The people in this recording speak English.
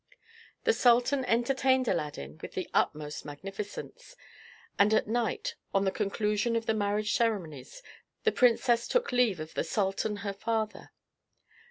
The sultan entertained Aladdin with the utmost magnificence, and at night, on the conclusion of the marriage ceremonies, the princess took leave of the sultan her father.